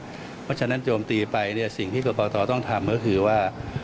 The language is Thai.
เพราะฉะนั้นโจมตีไปเนี่ยสิ่งที่กรกตต้องทำก็คือว่า